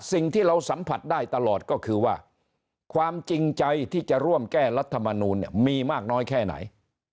สิ่งที่เราสัมผัสได้ตลอดก็คือว่าความจริงใจที่จะร่วมแก้รัฐมนูลเนี่ยมีมากน้อยแค่ไหน